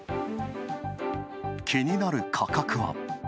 気になる価格は。